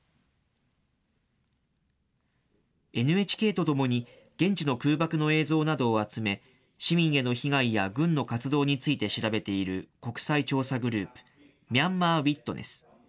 ＮＨＫと共に現地の空爆の映像などを集め、市民への被害や軍の活動について調べている国際調査グループ、ミャンマー・ウィットネス。